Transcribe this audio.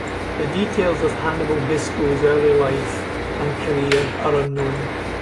The details of Hannibal Gisco's early life and career are unknown.